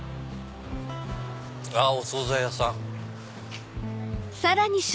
あお総菜屋さん。